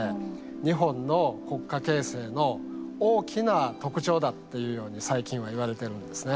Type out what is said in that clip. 日本の国家形成の大きな特徴だっていうように最近は言われてるんですね。